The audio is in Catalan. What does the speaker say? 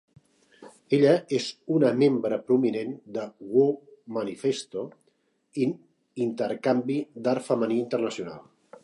Ella és una membre prominent de Womanifesto, in intercanvi d'art femení internacional.